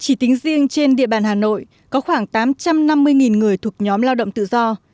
chỉ tính riêng trên địa bàn hà nội có khoảng tám trăm năm mươi người thuộc nhóm lao động tự do